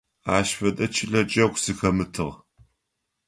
Ащ фэдэ чылэ джэгу сыхэмытыгъ.